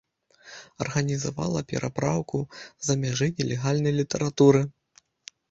Арганізавала перапраўку з-за мяжы нелегальнай літаратуры.